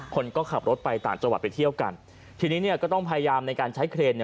คนก็ขับรถไปต่างจังหวัดไปเที่ยวกันทีนี้ก็ต้องพยายามในการใช้เครน